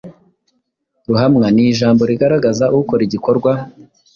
Ruhamwa ni ijambo rigaragaza ukora igikorwa